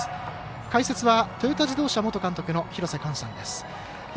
解説はトヨタ自動車元監督の廣瀬寛さんです。